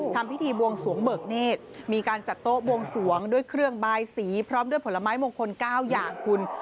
ทำพิธีบวงสวงเบิกเนธมีการจัดโต๊ะบวงสวงด้วยเครื่องบายสีพร้อมด้วยผลไม้มงคล๙อย่างคุณ